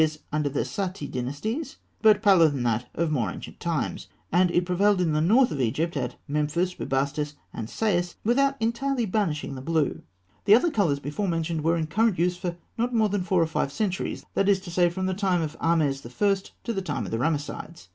Green reappears under the Saïte dynasties, but paler than that of more ancient times, and it prevailed in the north of Egypt, at Memphis, Bubastis, and Sais, without entirely banishing the blue. The other colours before mentioned were in current use for not more than four or five centuries; that is to say, from the time of Ahmes I. to the time of the Ramessides.